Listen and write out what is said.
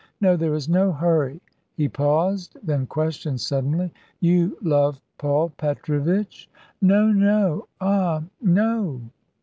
"No, there is no hurry!" He paused, then questioned suddenly, "You love Paul Petrovitch?" "No, no! Ah, no!"